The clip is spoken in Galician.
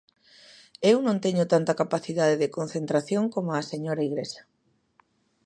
Eu non teño tanta capacidade de concentración como a señora Igrexa.